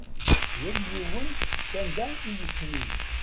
Yal yiwen s anda i yettmil.